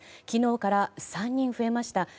昨日から３人増えました。